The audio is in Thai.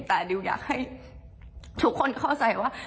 แต่ดิวอยากให้ทุกคนเข้าใจว่า